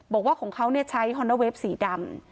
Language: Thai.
บอกว่าของเขาเนี่ยใช้ฮอร์นเวฟสีดำ